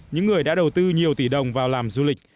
những người đã đầu tư nhiều tỷ đồng vào làm du lịch